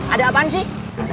ada apaan sih